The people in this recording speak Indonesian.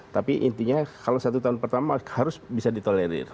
tapi intinya kalau satu tahun pertama harus bisa ditolerir